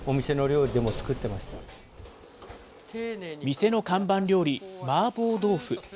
店の看板料理、麻婆豆腐。